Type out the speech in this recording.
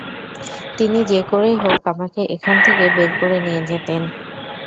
তিনি যে করেই হোক, আমাকে এখান থেকে বের করে নিয়ে যেতেন।